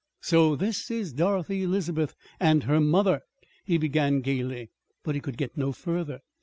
"So this is Dorothy Elizabeth and her mother " he began gayly; but he could get no further.